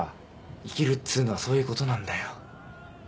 生きるっつうのはそういうことなんだよ。